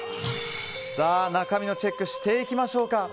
中身のチェックしていきましょうか。